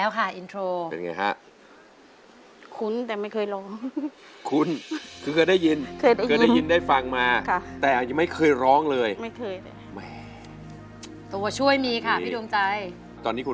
โปรดติดตามต่อไป